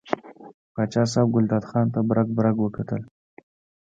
پاچا صاحب ګلداد خان ته برګ برګ وکتل.